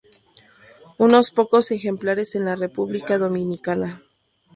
Unos pocos ejemplares en la República Dominicana.